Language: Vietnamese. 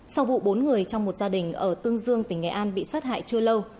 sau vụ bốn người trong một gia đình ở tương dương tỉnh nghệ an bị sát hại chưa lâu